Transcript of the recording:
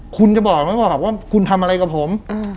คุณจะบอกมันบอกว่าคุณทำอะไรกับผม